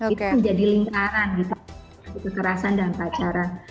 itu menjadi lingkaran di dalam kekerasan dalam pacaran